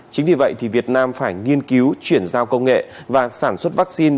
chính vì vậy thì việt nam phải nghiên cứu chuyển giao công nghệ và sản xuất vaccine